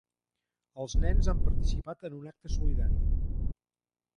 Els nens han participat en un acte solidari.